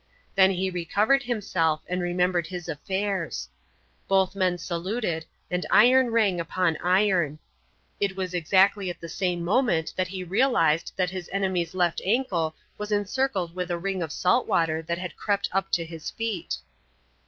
Then he recovered himself, and remembered his affairs. Both men saluted, and iron rang upon iron. It was exactly at the same moment that he realized that his enemy's left ankle was encircled with a ring of salt water that had crept up to his feet.